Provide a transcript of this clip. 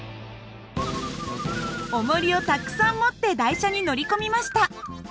おもりをたくさん持って台車に乗り込みました。